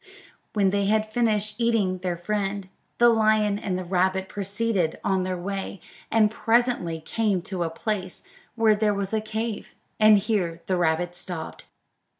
When they had finished eating their friend, the lion and the rabbit proceeded on their way, and presently came to a place where there was a cave, and here the rabbit stopped.